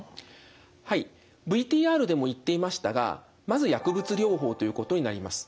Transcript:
はいＶＴＲでも言っていましたがまず薬物療法ということになります。